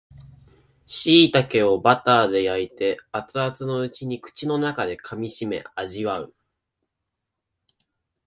しいたけをバターで焼いて熱々のうちに口の中で噛みしめ味わう